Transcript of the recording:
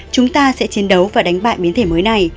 chúng ta sẽ chiến đấu và đánh bại biến thể mới này